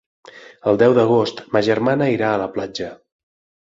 El deu d'agost ma germana irà a la platja.